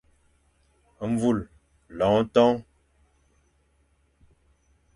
Mvul, loñ ton.